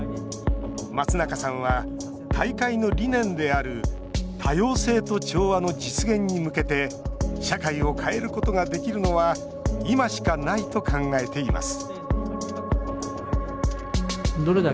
松中さんは大会の理念である多様性と調和の実現に向けて社会を変えることができるのは今しかないと考えています